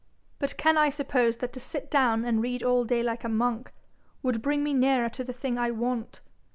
'But can I suppose that to sit down and read all day like a monk, would bring me nearer to the thing I want?'